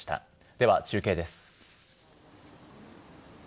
では、中継です。